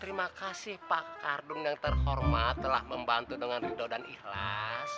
terima kasih pak kardun yang terhormat telah membantu dengan ridho dan ikhlas